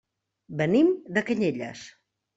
Venim de Canyelles.